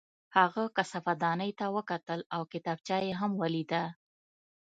هغه کثافت دانۍ ته وکتل او کتابچه یې هم ولیده